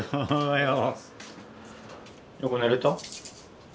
よく寝れました。